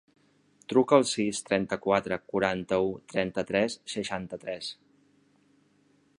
Truca al sis, trenta-quatre, quaranta-u, trenta-tres, seixanta-tres.